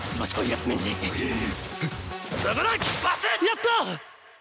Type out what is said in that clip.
やった！